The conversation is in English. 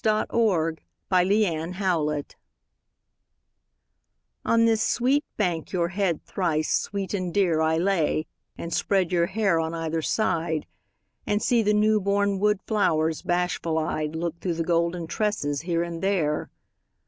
YOUTH'S SPRING TRIBUTE On this sweet bank your head thrice sweet and dear I lay, and spread your hair on either side, And see the newborn wood flowers bashful eyed Look through the golden tresses here and there.